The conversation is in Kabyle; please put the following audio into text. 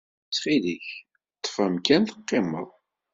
Ttxil-k, ḍḍef amkan teqqimed!